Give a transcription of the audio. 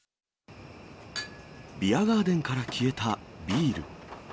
ビアガーデンから消えたビール。